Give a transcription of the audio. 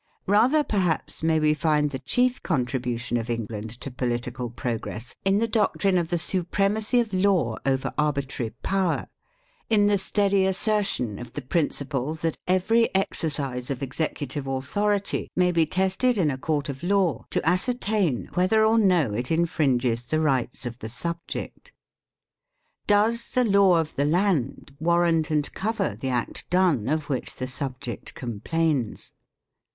Rather perhaps may we find the chief con tribution of England to political progress, in the doctrine of the supremacy of law over arbitrary power, in the steady assertion of the principle that every exercise of executive authority may be tested in : a court of law to ascertain whether or no it in PREFACE xvii fringes the rights of the subject. Does the "Law of the Land " warrant and cover the act done of which the subject complains?